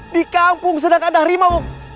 di kampung sedang ada harimau